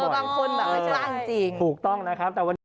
บางคนแบบไม่กล้าจริงถูกต้องนะครับแต่วันนี้